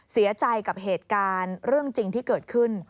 เสียใจกับเหตุการณ์เรื่องจริงที่เกิดขึ้น